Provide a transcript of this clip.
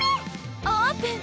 オープン！